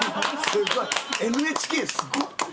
すごい！ＮＨＫすごっ！